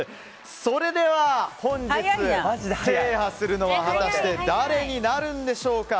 それでは本日、制覇するのは果たして誰になるんでしょうか。